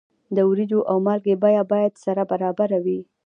د وریجو او مالګې بیه باید سره برابره وي.